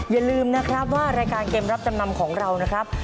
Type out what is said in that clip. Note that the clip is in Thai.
อย่าลืมนะครับว่ารายการเกมรับจำนำของเรานะครับ